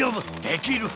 できる！